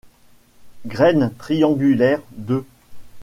Graines triangulaires de ~-.